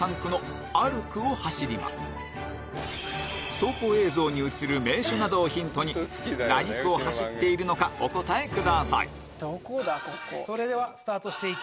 走行映像に映る名所などをヒントに何区を走っているのかお答えくださいどこだよ？